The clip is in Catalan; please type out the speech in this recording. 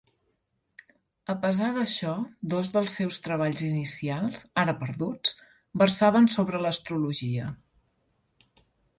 A pesar d'això dos dels seus treballs inicials, ara perduts, versaven sobre l'astrologia.